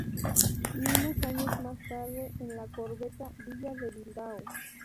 Y unos años más tarde en la corbeta "Villa de Bilbao".